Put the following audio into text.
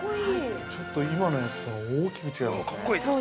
ちょっと今のやつとは大きく違いますね。